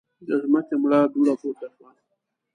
له ځمکې مړه دوړه پورته شوه.